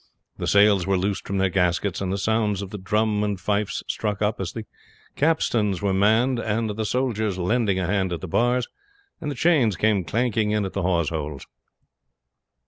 The sails were loosed from their gaskets, and the sounds of the drum and fifes struck up as the capstans were manned, the soldiers lending a hand at the bars, and the chains came clanking in at the hawse holes.